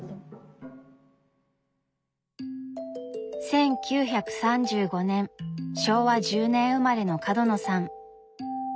１９３５年昭和１０年生まれの角野さん。